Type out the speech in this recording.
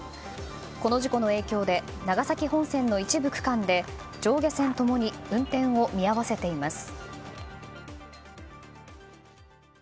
この事故の影響で長崎本線の一部区間で上下線ともに運転を見合わせています。